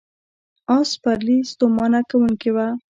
آس سپرلي ستومانه کوونکې وه.